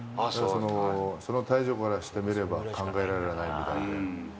その体脂肪からしてみれば、考えられないみたいで。